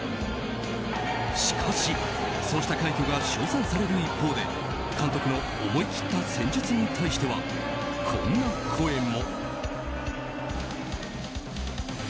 しかし、そうした快挙が称賛される一方で監督の思い切った戦術に対してはこんな声も。